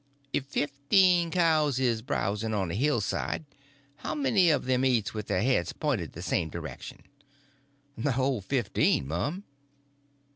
"If fifteen cows is browsing on a hillside, how many of them eats with their heads pointed the same direction?" "The whole fifteen, mum."